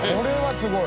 すごい！